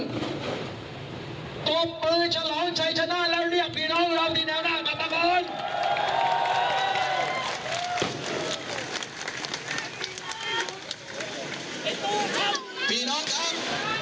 กลุ่มมือฉลองชัยชนะแล้วเรียกพี่น้องเราที่แนวหน้ากลับมาก่อน